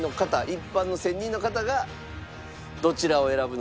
一般の１０００人の方がどちらを選ぶのかという。